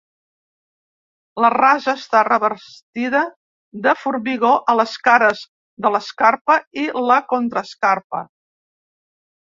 La rasa està revestida de formigó a les cares de l'escarpa i la contraescarpa.